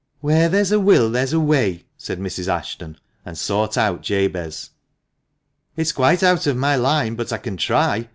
"Where there's a will there's a way," said Mrs. Ashton, and sought out Jabez. " It is quite out of my line, but I can try.